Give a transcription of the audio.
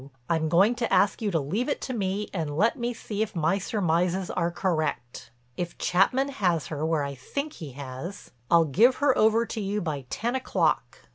I'm going to ask you to leave it to me and let me see if my surmises are correct. If Chapman has her where I think he has, I'll give her over to you by ten o'clock.